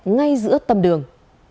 ngay giữa tầm đường